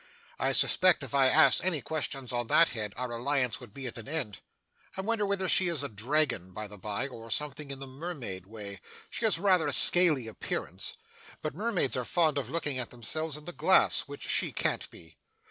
'I suspect if I asked any questions on that head, our alliance would be at an end. I wonder whether she is a dragon by the bye, or something in the mermaid way. She has rather a scaly appearance. But mermaids are fond of looking at themselves in the glass, which she can't be.